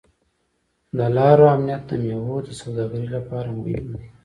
د لارو امنیت د میوو د سوداګرۍ لپاره مهم دی.